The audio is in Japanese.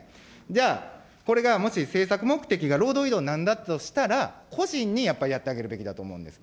じゃあ、これがもし政策目的が労働移動なんだとしたら、個人にやっぱり、やってあげるべきだと思うんです。